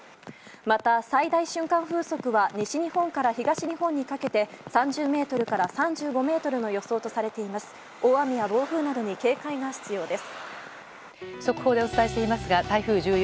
また、最大瞬間風速は西日本から東日本にかけて３０メートルから３５メートルの予想とされています。